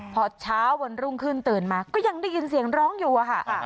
พอเช้าวันรุ่งขึ้นตื่นมาก็ยังได้ยินเสียงร้องอยู่อะค่ะ